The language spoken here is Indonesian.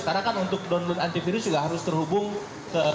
karena kan untuk download antivirus juga harus terhubung ke